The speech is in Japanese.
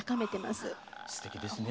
すてきですね。